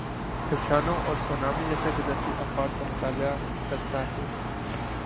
فشانوں اور سونامی جیسی قدرتی آفات کا مطالعہ کرتا ہی۔